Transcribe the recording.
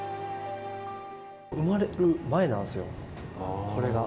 生まれる前なんですよ、これが。